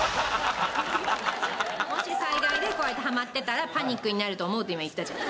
もし災害でこうやってハマってたらパニックになると思うって今言ったじゃん。